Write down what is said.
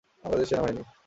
বাংলাদেশ সেনাবাহিনী